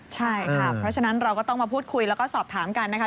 ใช่ค่ะเพราะฉะนั้นเราก็ต้องมาพูดคุยแล้วก็สอบถามกันนะคะ